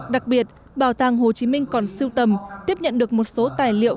đặc biệt bảo tàng hồ chí minh còn siêu tầm tiếp nhận được một số tài liệu